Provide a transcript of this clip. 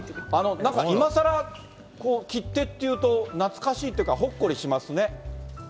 なんか、今さら切手っていうと、懐かしいというか、ほっこりしますね。